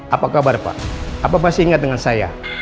apa kabar pak apa masih ingat dengan saya